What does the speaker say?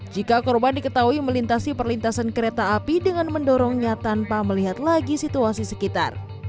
jika korban diketahui melintasi perlintasan kereta api dengan mendorongnya tanpa melihat lagi situasi sekitar